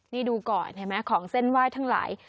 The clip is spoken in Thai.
นี่ดูก่อนเห็นไหมของเส้นไหว้ทั้งหลาย